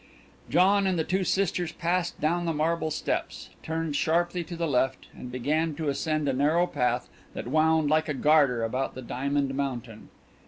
John and the two sisters passed down the marble steps, turned sharply to the left, and began to ascend a narrow path that wound like a garter about the diamond mountain.